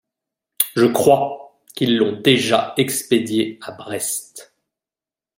Je crois qu’ils l’ont déjà expédié à Brest.